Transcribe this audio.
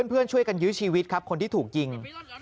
เพื่อนช่วยกันยื้อชีวิตครับคนที่ถูกยิง